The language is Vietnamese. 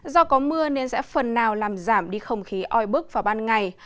do có mưa nên sẽ phần nào làm giảm đi không khí oi bức vào ban ngày